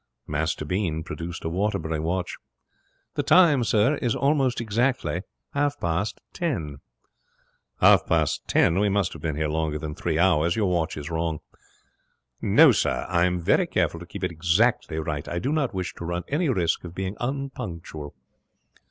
Master Bean produced a Waterbury watch. 'The time, sir, is almost exactly half past ten.' 'Half past ten! We must have been here longer than three hours. Your watch is wrong.' 'No, sir, I am very careful to keep it exactly right. I do not wish to run any risk of being unpunctual.'